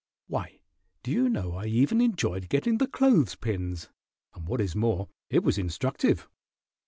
Why, do you know I even enjoyed getting the clothes pins, and what is more, it was instructive.